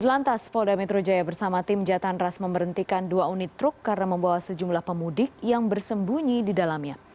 lantas polda metro jaya bersama tim jatan ras memberhentikan dua unit truk karena membawa sejumlah pemudik yang bersembunyi di dalamnya